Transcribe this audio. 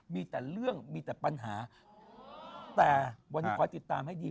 มีแต่เรื่องมีแต่ปัญหาแต่วันนี้ขอให้ติดตามให้ดี